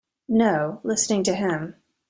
No, listening to him.